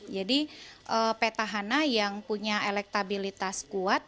jadi petahana yang punya elektabilitas kuat